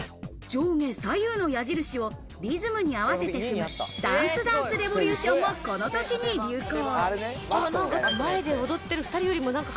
上下左右の矢印をリズムに合わせて踏む、ダンスダンスレボリューションも、この年に流行。